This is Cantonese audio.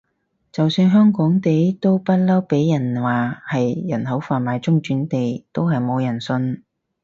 就算香港地都不嬲畀人話係人口販賣中轉地，都係冇人信